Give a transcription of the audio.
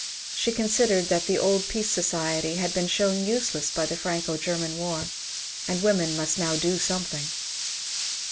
She considered that the old 284 MONCURE DANIEL CONWAY Peace Society had been shown useless by the Franoo German war, and women must now do something.